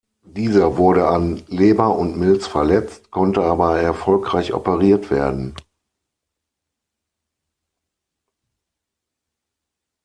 Dieser wurde an Leber und Milz verletzt, konnte aber erfolgreich operiert werden.